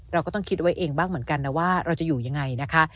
เราก็ต้องคิดไว้เองบ้างเหมือนกันนะว่าเราจะอยู่ยังไงนะคะ